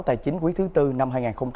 tài chính quý thứ tư năm hai nghìn hai mươi